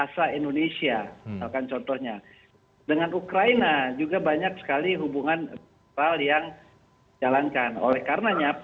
jadi dengan demikian